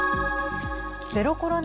ゼロコロナ